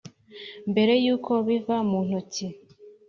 mbere yuko biva mu ntoki.